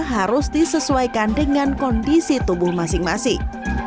harus disesuaikan dengan kondisi tubuh masing masing